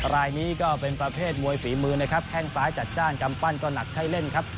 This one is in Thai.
รายนี้ก็เป็นประเภทมวยฝีมือนะครับแข้งซ้ายจัดจ้านกำปั้นก็หนักใช้เล่นครับ